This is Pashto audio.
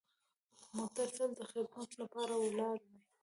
موټر تل د خدمت لپاره ولاړ وي.